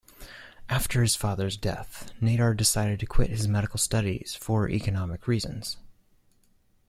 After his father's death, Nadar decided to quit his medical studies for economic reasons.